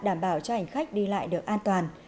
đảm bảo cho hành khách đi lại được an toàn